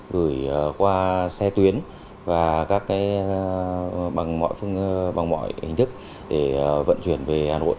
gửi qua xe tuyến và các cái bằng mọi hình thức để vận chuyển về hà nội